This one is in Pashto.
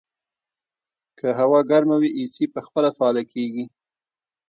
که هوا ګرمه وي، اې سي په خپله فعاله کېږي.